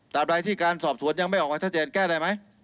ใดที่การสอบสวนยังไม่ออกมาชัดเจนแก้ได้ไหม